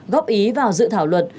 góp ý vào dự thảo luật